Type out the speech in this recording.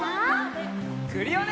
クリオネ！